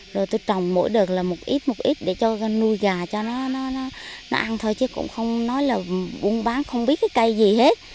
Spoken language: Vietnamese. rồi tôi trồng mỗi đợt là một ít một ít để cho nuôi gà cho nó ăn thôi chứ cũng không nói là buôn bán không biết cái cây gì hết